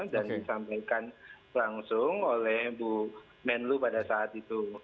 dan disampaikan langsung oleh bu menlu pada saat itu